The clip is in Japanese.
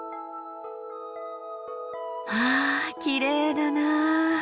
わあきれいだなあ。